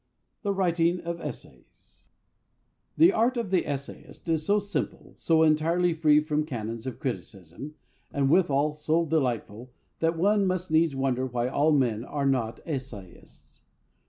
THE WRITING OF ESSAYS The art of the essayist is so simple, so entirely free from canons of criticism, and withal so delightful, that one must needs wonder why all men are not essayists.